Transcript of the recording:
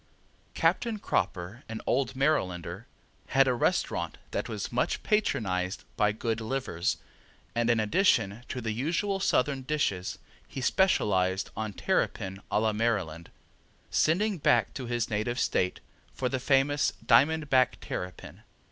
Captain Cropper, an old Marylander, had a restaurant that was much patronized by good livers, and in addition to the usual Southern dishes he specialized on terrapin a la Maryland, sending back to his native State for the famous diamond back terrapin.